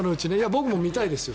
僕も見たいですよ。